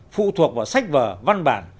phụ thuộc vào sách vở văn bản